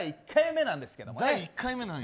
１回目なんですけどね